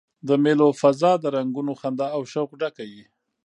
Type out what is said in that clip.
د مېلو فضا د رنګونو، خندا او شوق ډکه يي.